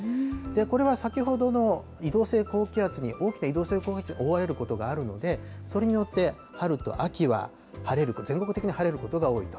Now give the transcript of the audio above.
これは先ほどの移動性高気圧に、大きな移動性高気圧に覆われることがあるので、それによって春と秋は晴れる、全国的に晴れることが多いと。